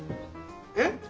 えっ？